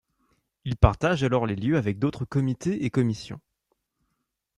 Il partage alors les lieux avec d'autres Comité et Commissions.